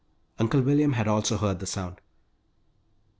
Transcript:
Uncle William had also heard the sound.